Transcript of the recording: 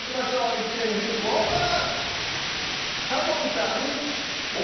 一斉にフリップオープン！